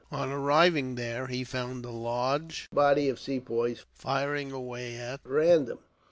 On arriving there, he found a large body of Sepoys firing away at random.